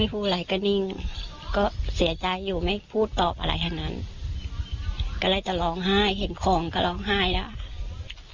พูดอะไรก็นิ่งก็เสียใจอยู่ไม่พูดตอบอะไรทั้งนั้นก็เลยจะร้องไห้เห็นของก็ร้องไห้แล้ว